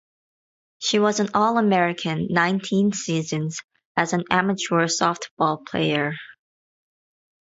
She was an All-American nineteen seasons as an amateur softball player.